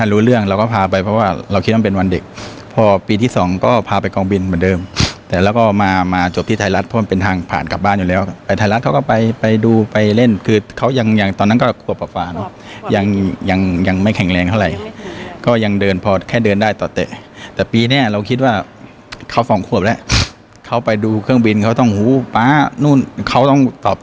เด็กพอปีที่สองก็พาไปกองบินเหมือนเดิมแต่แล้วก็มามาจบที่ไทรัสเพราะว่าเป็นทางผ่านกลับบ้านอยู่แล้วแต่ไทรัสเขาก็ไปไปดูไปเล่นคือเขายังยังตอนนั้นก็ควบฟากฟาเนอะยังยังยังไม่แข็งแรงเท่าไรก็ยังเดินพอแค่เดินได้ต่อเตะแต่ปีเนี้ยเราคิดว่าเขาสองควบแล้วเขาไปดูเครื่องบินเขาต้องหูป๊านู่นเขาต้อง